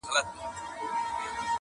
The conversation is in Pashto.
کټ یې مات کړ هر څه ولوېدل د لاندي؛